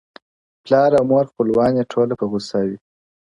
پلار او مور خپلوان یې ټوله په غصه وي.